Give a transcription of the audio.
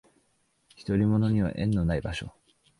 独り者には縁のない場所